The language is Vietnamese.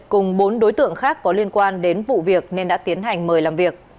cùng bốn đối tượng khác có liên quan đến vụ việc nên đã tiến hành mời làm việc